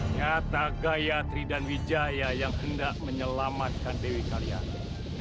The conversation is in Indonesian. nyata gayatri dan wijaya yang hendak menyelamatkan dewi kalian